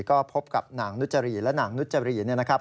ก็พบกับนางนุจรีและนางนุจรีเนี่ยนะครับ